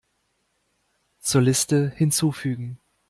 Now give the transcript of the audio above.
Zur Liste hinzufügen.